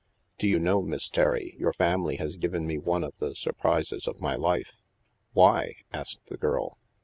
Do you know, Miss Terry, your family has given me one of the surprises of my life? "'* Why? "asked the girl.